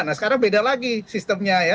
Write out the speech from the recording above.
nah sekarang beda lagi sistemnya ya